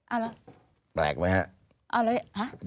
อ้าวแล้วแปลกไหมครับ